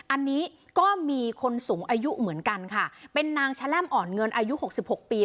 อันนี้ก็มีคนสูงอายุเหมือนกันค่ะเป็นนางแชล่มอ่อนเงินอายุหกสิบหกปี